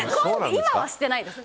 今はしてないです。